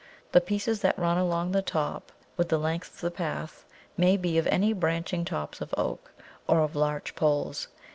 The pieces that run along the top, with the length of the path, may be of any branching tops of oak, or of larch poles.